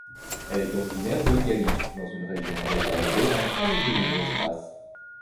Elle est originaire de Galice, dans une région d'élevage bovin avec de nombreuses races.